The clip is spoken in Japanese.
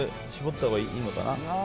搾ったほうがいいのかな？